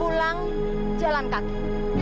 pulang jalan kaki